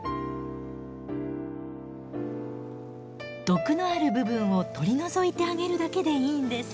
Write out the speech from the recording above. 毒のある部分を取り除いてあげるだけでいいんです。